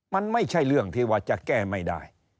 มันไม่ใช่เรื่องที่ว่าจะแก้ไม่ได้